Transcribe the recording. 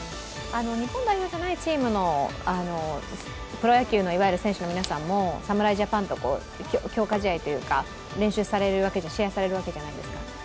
日本代表じゃないチームのプロ野球の選手の皆さんも侍ジャパンと強化試合というか試合されるわけじゃないですか。